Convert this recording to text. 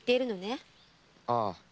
ああ。